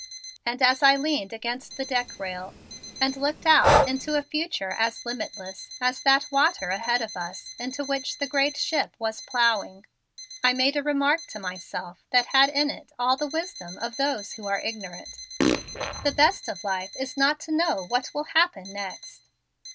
And as I leaned against the deck rail and looked out into a future as limitless as that water ahead of us into which the great ship was plowing, I made a remark to myself that had in it all the wisdom of those who are ignorant. "The best of life is not to know what will happen next."